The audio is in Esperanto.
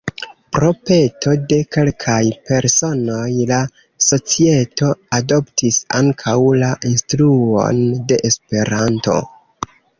Pro peto de kelkaj personoj, la societo adoptis ankaŭ la instruon de Esperanto.